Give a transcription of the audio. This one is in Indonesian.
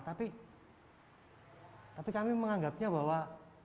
tapi kami menganggapnya bahwa